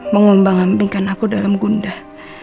mengumbang ambingkan aku dalam gundah